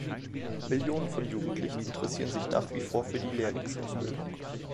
Millionen von Jugendlichen interessieren sich nach wie vor für die Lehrlingsausbildung.